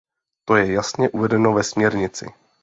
To je jasně uvedeno ve směrnici.